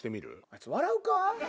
あいつ笑うか？